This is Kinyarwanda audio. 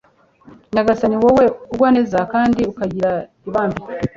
Nyagasani wowe ugwa neza kandi ukagira ibambe